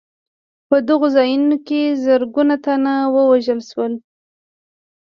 په دغو ځایونو کې زرګونه تنه ووژل شول.